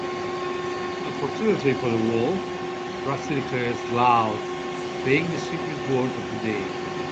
Unfortunately for the wolf, Krusty declares "loud" being the secret word of the day.